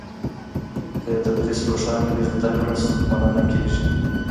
که تدریس روښانه وي، زده کړه ستونزمنه نه کېږي.